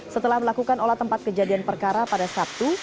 setelah melakukan olah tempat kejadian perkara pada sabtu